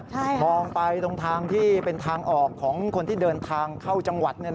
ใช่ค่ะมองไปตรงทางที่เป็นทางออกของคนที่เดินทางเข้าจังหวัด